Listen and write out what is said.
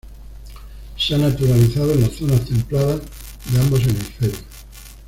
Se ha naturalizado en las zonas templadas de ambos hemisferios.